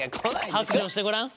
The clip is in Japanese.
白状してごらん？